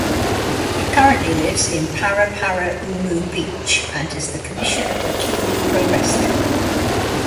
He currently lives in Paraparaumu Beach and is the Commissioner for Kiwi Pro Wrestling.